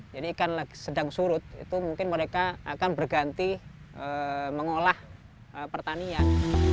jadi ikan sedang surut itu mungkin mereka akan berganti mengolah pertanian